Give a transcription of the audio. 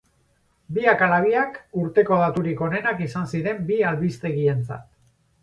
Biak ala biak, urteko daturik onenak izan ziren bi albistegientzat.